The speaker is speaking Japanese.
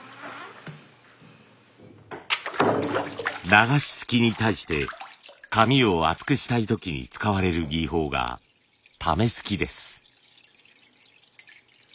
流しすきに対して紙を厚くしたい時に使われる技法が「溜めすき」です。